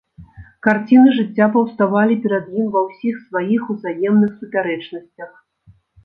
Карціны жыцця паўставалі перад ім ва ўсіх сваіх узаемных супярэчнасцях.